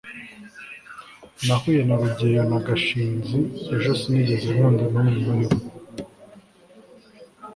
nahuye na rugeyo na gashinzi ejo sinigeze nkunda n'umwe muri bo